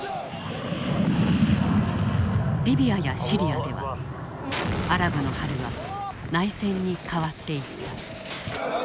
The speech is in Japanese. リビアやシリアではアラブの春は内戦に変わっていった。